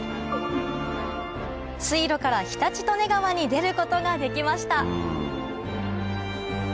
水路から常陸利根川に出ることができました